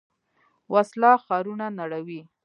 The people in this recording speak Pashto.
وسله ښارونه نړوي